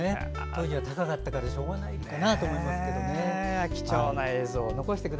当時は高かったからしょうがないかなと思いますね。